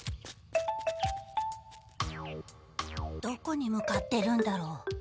どこに向かってるんだろう？